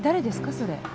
それ。